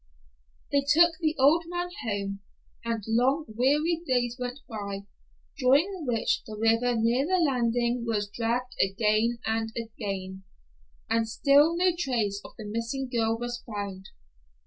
They took the old man home, and long weary days went by, during which the river near the landing was dragged again and again, and still no trace of the missing girl was found.